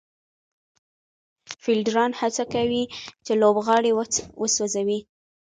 فېلډران هڅه کوي، چي لوبغاړی وسوځوي.